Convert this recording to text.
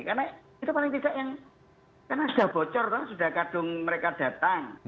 karena itu paling tidak yang karena sudah bocor kan sudah kadung mereka datang